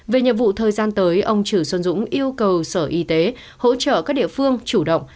về nhiệm vụ thời gian tới ông trừ xuân dũng yêu cầu sở y tế hỗ trợ các địa phương chủ động